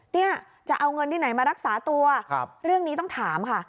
เนี่ยจะเอาเงินที่ไหนมารักษาตัวเรื่องนี้ต้องถามค่ะ